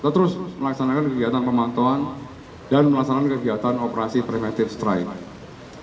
terus melaksanakan kegiatan pemantauan dan melaksanakan kegiatan operasi premitive strike